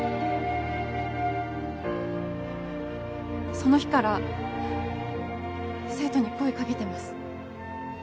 その日から生徒に声かけてます